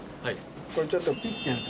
これちょっとピッてやって。